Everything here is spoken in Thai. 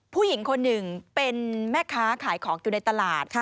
ผู้หญิงคนหนึ่งเป็นแม่ค้าขายของอยู่ในตลาด